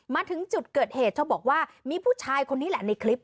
มาถึงจุดเกิดเหตุเธอบอกว่ามีผู้ชายคนนี้แหละในคลิป